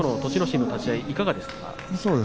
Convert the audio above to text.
心の立ち合いいかがでしたか。